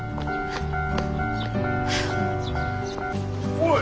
おい！